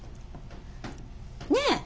ねえ？